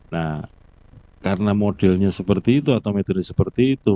nah karena modelnya seperti itu atau metode seperti itu